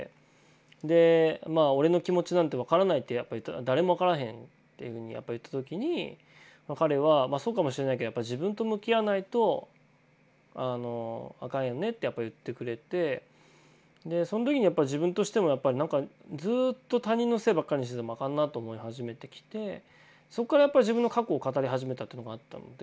でまあ俺の気持ちなんて分からないって言ったら誰も分からへんっていうふうに言った時に彼はそうかもしれないけどやっぱ自分と向き合わないとあかんよねってやっぱ言ってくれてそん時に自分としてもやっぱりなんかずっと他人のせいばっかりにしててもあかんなと思い始めてきてそっからやっぱり自分の過去を語り始めたっていうのもあったので。